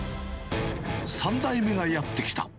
３代目がやって来た。